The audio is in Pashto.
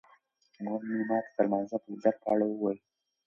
مور مې ماته د لمانځه د فضیلت په اړه وویل.